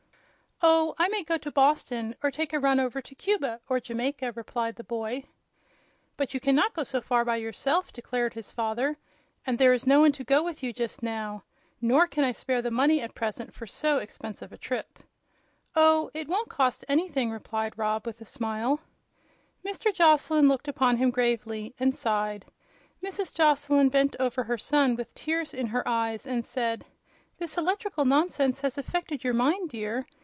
"Oh, I may go to Boston, or take a run over to Cuba or Jamaica," replied the boy. "But you can not go so far by yourself," declared his father; "and there is no one to go with you, just now. Nor can I spare the money at present for so expensive a trip." "Oh, it won't cost anything," replied Rob, with a smile. Mr. Joslyn looked upon him gravely and sighed. Mrs. Joslyn bent over her son with tears in her eyes and said: "This electrical nonsense has affected your mind, dear.